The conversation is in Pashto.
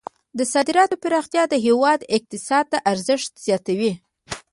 د صادراتو پراختیا د هیواد اقتصاد ته ارزښت زیاتوي.